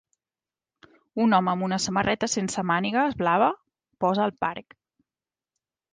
Un home amb una samarreta sense mànigues blava posa al parc.